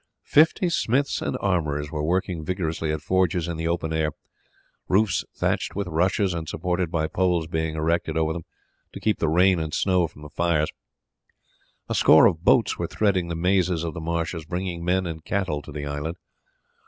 Fifty smiths and armourers were working vigorously at forges in the open air, roofs thatched with rushes and supported by poles being erected over them to keep the rain and snow from the fires. A score of boats were threading the mazes of the marshes bringing men and cattle to the island.